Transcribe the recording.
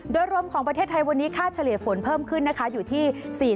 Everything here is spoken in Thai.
โดยรวมของประเทศไทยวันนี้ค่าเฉลี่ยฝนเพิ่มขึ้นนะคะอยู่ที่๔๐